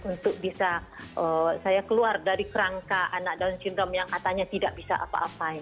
untuk bisa saya keluar dari kerangka anak down syndrome yang katanya tidak bisa apa apain